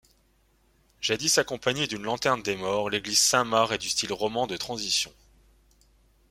Jadis accompagnée d'une lanterne des morts, l'église Saint-Marc est du style roman de transition.